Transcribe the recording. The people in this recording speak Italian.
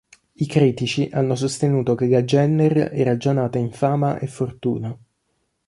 I critici hanno sostenuto che la Jenner era già nata in fama e fortuna.